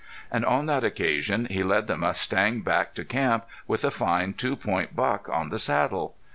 And on that occasion he led the mustang back to camp with a fine two point buck on the saddle.